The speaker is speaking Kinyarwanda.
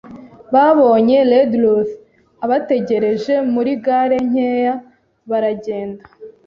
babonye Redruth abategereje muri galle nkeya, baragenda